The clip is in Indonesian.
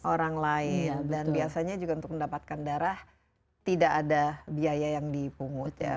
orang lain dan biasanya juga untuk mendapatkan darah tidak ada biaya yang dipungut ya